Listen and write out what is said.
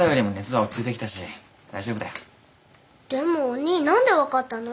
でもおにぃ何で分かったの？